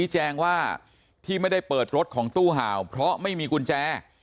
แจ้งว่าที่ไม่ได้เปิดรถของตู้ห่าวเพราะไม่มีกุญแจ